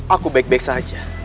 aku baik baik saja